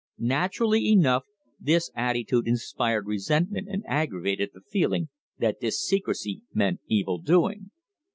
Naturally enough this attitude inspired resentment and aggravated the feeling that this secrecy meant evil doing.